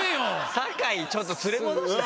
酒井ちょっと連れ戻したいね。